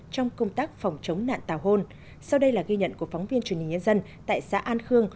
trong công tác phòng chống nạn tàu hôn sau đây là ghi nhận của phóng viên truyền hình nhân dân tại xã an khương